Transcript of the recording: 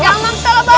jangan bangsa lah bang